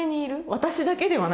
私だけではない。